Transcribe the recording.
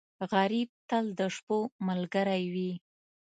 غریب تل د شپو ملګری وي